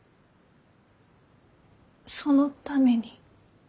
そのために。